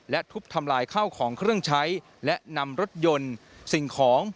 และทุบทำลายข้าวของเครื่องใช้และนำรถยนต์สิ่งของ